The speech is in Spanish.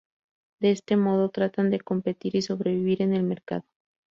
De este modo, tratan de competir y sobrevivir en el mercado.